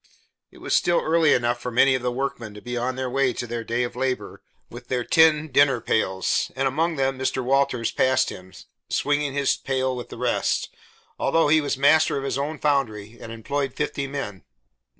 It was still early enough for many of the workmen to be on their way to their day of labor with their tin dinner pails, and among them Mr. Walters passed him, swinging his pail with the rest, although he was master of his own foundry and employed fifty men.